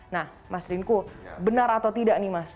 nah mas rinko benar atau tidak nih mas